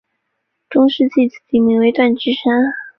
中世纪此地名为锻冶山。